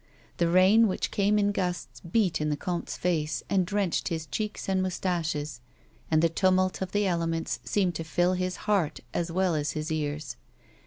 The rain, which came in gusts, beat in the comte's face, and drenched his cheeks and moustaches, and the tumiilt of the elements seemed to fill his heart as well as his ears.